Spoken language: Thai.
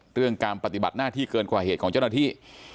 เรื่องการปฏิบัติหน้าที่เกินกว่าเหตุของเจ้าหน้าที่